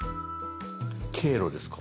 「経路」ですか？